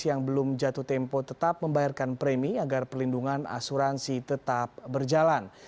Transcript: yang belum jatuh tempo tetap membayarkan premi agar perlindungan asuransi tetap berjalan